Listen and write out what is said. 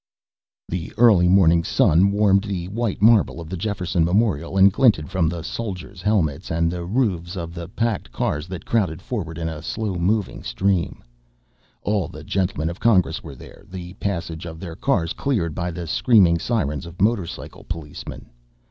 The early morning sun warmed the white marble of the Jefferson Memorial and glinted from the soldiers' helmets and the roofs of the packed cars that crowded forward in a slow moving stream. All the gentlemen of Congress were there, the passage of their cars cleared by the screaming sirens of motorcycle policemen.